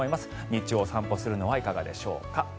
日中、お散歩するのはいかがでしょうか。